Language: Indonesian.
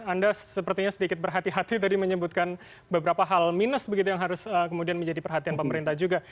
anda sepertinya sedikit berhati hati tadi menyebutkan beberapa hal minus begitu yang harus kemudian menjadi perhatian pemerintah juga